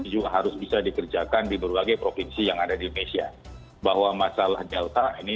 juga harus bisa dikerjakan di berbagai provinsi yang ada di indonesia bahwa masalah delta ini